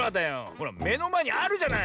ほらめのまえにあるじゃない？